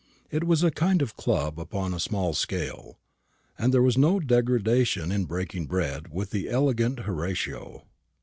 It was a kind of club upon a small scale; and there was no degradation in breaking bread with the elegant Horatio.